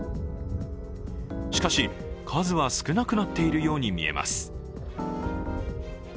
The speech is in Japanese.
しかし、数は少なくなっているように見えます。